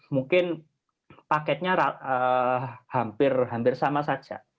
mungkin paketnya hampir sama saja